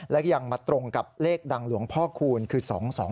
แล้วก็ยังมาตรงกับเลขดังหลวงพ่อคูณคือ๒๒